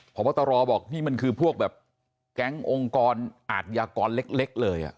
พบตรบอกนี่มันคือพวกแบบแก๊งองค์กรอาทยากรเล็กเลย